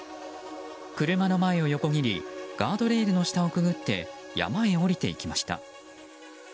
車の前を横切りガードレールの下をくぐって山へ下りていきました。